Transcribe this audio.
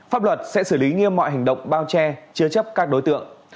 pháp luật sẽ xử lý nghiêm mọi hành động bao che chứa chấp các đối tượng